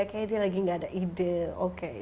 kayaknya dia lagi gak ada ide oke